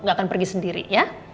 nggak akan pergi sendiri ya